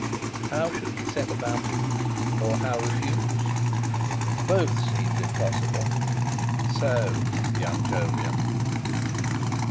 How should he set about it, or how refuse? Both seemed impossible. So, young Jolyon!